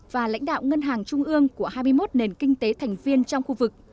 và lãnh đạo ngân hàng trung ương của hai mươi một nền kinh tế thành viên trong khu vực